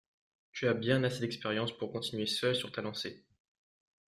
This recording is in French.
Tu as bien assez d’expérience pour continuer seule sur ta lancée.